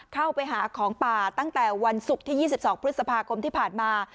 เข้าไปหาของป่าตั้งแต่วันศุกร์ที่๒๒พฤษภาคมที่ผ่านมา